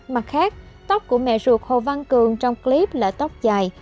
mặt khác tóc của mẹ ruột hồ văn cường trong clip là tóc dài